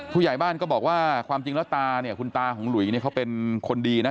ผู้ใหญ่บ้านก็บอกว่าความจริงแล้วตาเนี่ยคุณตาของหลุยเนี่ยเขาเป็นคนดีนะ